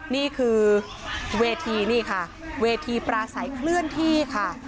นี่คือเวทีนี่ค่ะเวทีปราศัยเคลื่อนที่ค่ะ